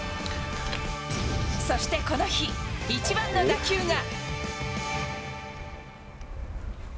そしてこの日、一番の打球が。